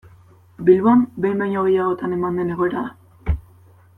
Bilbon behin baino gehiagotan eman den egoera da.